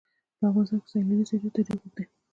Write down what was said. په افغانستان کې د سیلانی ځایونه تاریخ اوږد دی.